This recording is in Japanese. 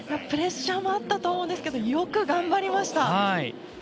プレッシャーもあったと思うんですけどよく頑張りました。